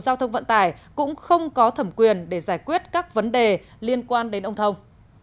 giao thông vận tải cũng không có thẩm quyền để giải quyết các vấn đề liên quan đến ông thông